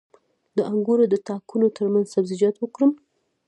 د انګورو د تاکونو ترمنځ سبزیجات وکرم؟